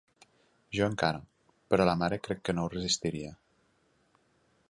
Jo encara, però la mare crec que no ho resistiria.